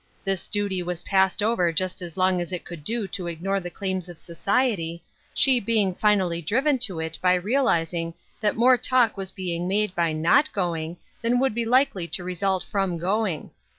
This duty was passed over just as long as it would do to ignore the claims of society, she being finally driven to it by realizing that more talk was be ing made by not going than would be hkely to result from going.